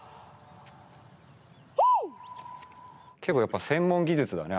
結構やっぱ専門技術だね。